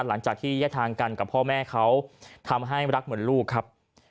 หลังจากที่แยกทางกันกับพ่อแม่เขาทำให้รักเหมือนลูกครับ